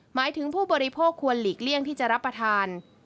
หมายถึงผู้บริโภคควรหลีกเลี่ยงที่จะรับประทาน